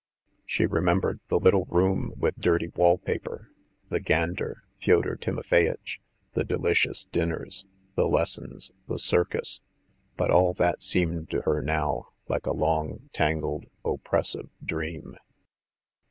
She remembered the little room with dirty wall paper, the gander, Fyodor Timofeyitch, the delicious dinners, the lessons, the circus, but all that seemed to her now like a long, tangled, oppressive dream.